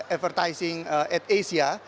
advertising at asia